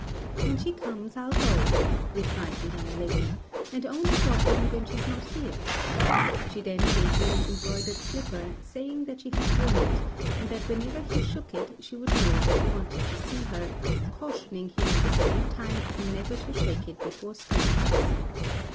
"When she comes, I'll go," replied the young lady, "and only drop in when she's not here." She then gave him an embroidered slipper, saying that she had worn it, and that whenever he shook it she would know that he wanted to see her, cautioning him at the same time never to shake it before strangers.